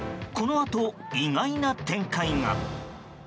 このあと、意外な展開が。